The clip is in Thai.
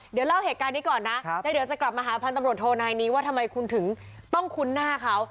เดี๋ยวเล่าเหตุการณ์นี้ก่อนนะแล้วเดี๋ยวจะกลับมาหาพันธุ์ตำรวจโทนายนี้ว่าทำไมคุณถึงต้องคุ้นหน้าเขา